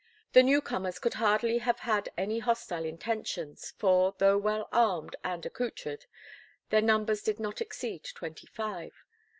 The new comers could hardly have had any hostile intentions, for, though well armed and accoutred, their numbers did not exceed twenty five.